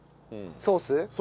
ソース。